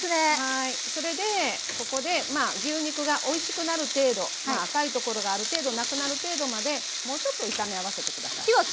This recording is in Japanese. それでここで牛肉がおいしくなる程度赤いところがある程度なくなる程度までもうちょっと炒め合わせて下さい。